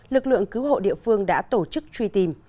lực lượng cứu hộ địa phương đã tổ chức truy tìm